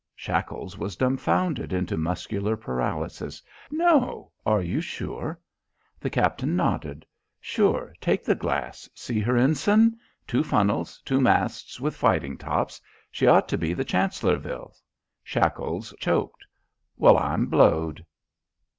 Shackles was dumfounded into muscular paralysis. "No! Are you sure?" The captain nodded. "Sure, take the glass. See her ensign? Two funnels, two masts with fighting tops. She ought to be the Chancellorville." Shackles choked. "Well, I'm blowed!"